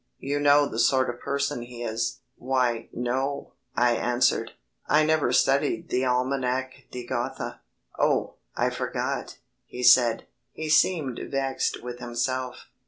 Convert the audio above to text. You know the sort of person he is." "Why, no," I answered, "I never studied the Almanac de Gotha." "Oh, I forgot," he said. He seemed vexed with himself.